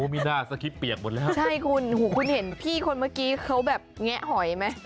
มีหน้าสคริปต์เปียกหมดแล้วใช่คุณหูคุณคุณเห็นพี่คนเมื่อกี้เขาแบบแงะหอยไหม